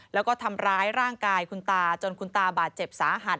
แล้วก็ทำร้ายร่างกายคุณตาจนคุณตาบาดเจ็บสาหัส